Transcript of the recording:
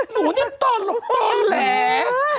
หนูเนี่ยตอนแหละ